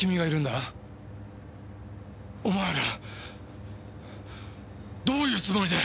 お前らどういうつもりだ！？